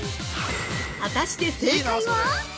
◆果たして正解は？